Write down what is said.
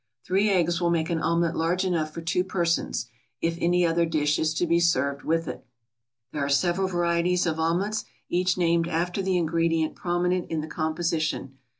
Three eggs will make an omelette large enough for two persons, if any other dish is to be served with it. There are several varieties of omelettes, each named after the ingredient prominent in the composition.